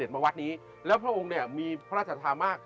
วัดสุทัศน์นี้จริงแล้วอยู่มากี่ปีตั้งแต่สมัยราชการไหนหรือยังไงครับ